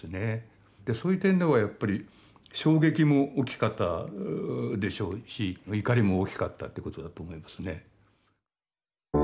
そういう点ではやっぱり衝撃も大きかったでしょうし怒りも大きかったということだと思いますね。